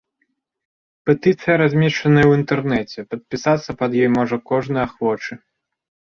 Петыцыя размешчаная ў інтэрнэце, падпісацца пад ёй можа кожны ахвочы.